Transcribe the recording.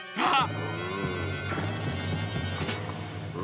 あっ！